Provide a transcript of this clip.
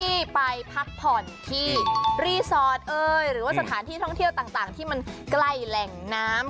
ที่ไปพักผ่อนที่รีสอร์ทหรือว่าสถานที่ท่องเที่ยวต่างที่มันใกล้แหล่งน้ำ